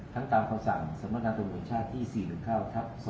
ทั้งตามข้อสั่งสำนักงานประโยชน์ชาติที่๔๑๕ทัพ๒๕๕